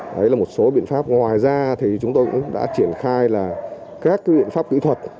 đấy là một số biện pháp ngoài ra thì chúng tôi cũng đã triển khai là các cái biện pháp kỹ thuật